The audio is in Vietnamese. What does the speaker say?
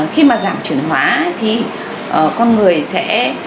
khi mà giảm chuyển hóa thì con người sẽ